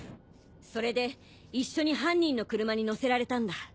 それで一緒に犯人の車に乗せられたんだ。